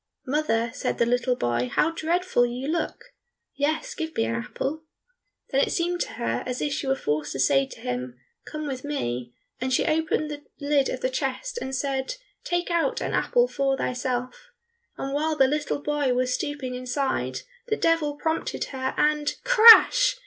"Mother," said the little boy, "how dreadful you look! Yes, give me an apple." Then it seemed to her as if she were forced to say to him, "Come with me," and she opened the lid of the chest and said, "Take out an apple for thyself," and while the little boy was stooping inside, the Devil prompted her, and crash!